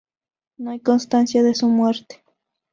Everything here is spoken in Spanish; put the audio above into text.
No hay constancia de su muerte.